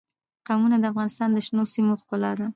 قومونه د افغانستان د شنو سیمو ښکلا ده.